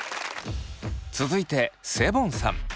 続いてセボンさん。